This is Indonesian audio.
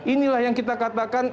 inilah yang kita katakan